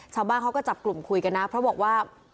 ชาวบ้านเขาก็จับกลุ่มคุยกันนะเพราะบอกว่า